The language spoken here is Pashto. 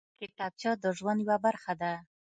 کتابچه د ژوند یوه برخه ده